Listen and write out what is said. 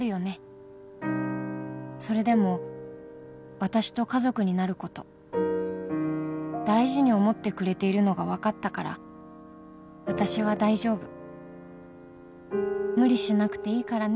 「それでも私と家族になること大事に思ってくれているのがわかったから私は大丈夫」「無理しなくていいからね」